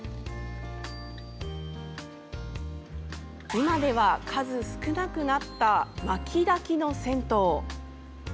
今では数少なくなった薪だきの銭湯。